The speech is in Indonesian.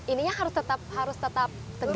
ininya harus tetap tegak